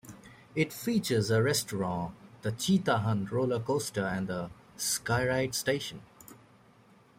It features a restaurant, the Cheetah Hunt roller coaster, and the Skyride station.